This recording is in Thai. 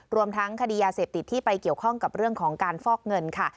รวมทั้งคดียาเสพติดที่ไปเกี่ยวข้องกับเรื่องของการฟอกเงินค่ะ